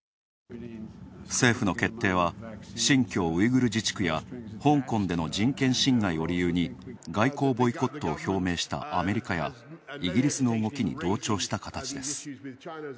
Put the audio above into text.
政府の決定は、新疆ウイグル自治区や香港での人権侵害を理由に外交ボイコットを表明したアメリカやイギリスの動きに同調した形です。